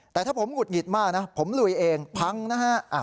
แต่ถ้าผมหุดหงิดมากนะผมลุยเองพังนะฮะ